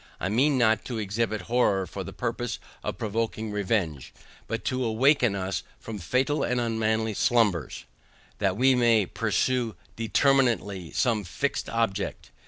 I mean not to exhibit horror for the purpose of provoking revenge, but to awaken us from fatal and unmanly slumbers, that we may pursue determinately some fixed object.